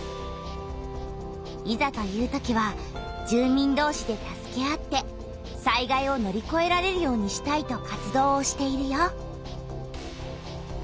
いざというときは住民どうしで助け合って災害を乗りこえられるようにしたいと活動をしているよ。